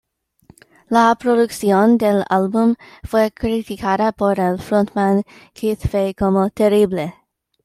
La producción del álbum fue criticada por el frontman Keith Fay como "terrible.